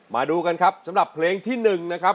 มาดูกันครับสำหรับเพลงที่๑นะครับ